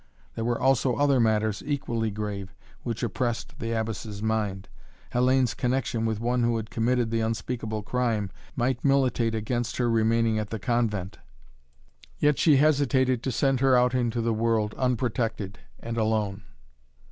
There were also other matters equally grave which oppressed the Abbess' mind. Hellayne's connection with one who had committed the unspeakable crime might militate against her remaining at the convent. Yet she hesitated to send her out into the world, unprotected and alone.